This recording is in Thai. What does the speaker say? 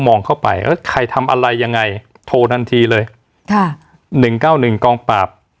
มองเข้าไปเออใครทำอะไรยังไงโทรทันทีเลยค่ะ๑๙๑กองปราบ